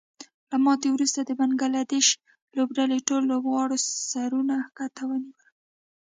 له ماتې وروسته د بنګلادیش لوبډلې ټولو لوبغاړو سرونه ښکته ونیول